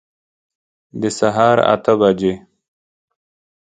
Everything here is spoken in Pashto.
د سهار اته بجي